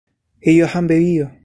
ellos han bebido